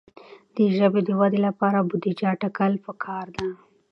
د ژبې د ودې لپاره بودیجه ټاکل پکار ده.